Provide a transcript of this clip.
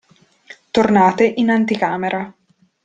Tornate in anticamera.